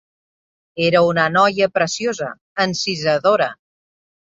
Era una noia preciosa, encisadora.